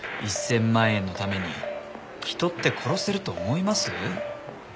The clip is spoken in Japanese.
１０００万円のために人って殺せると思います？